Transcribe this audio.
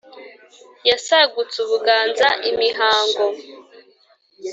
Yasagutse u Buganza imihango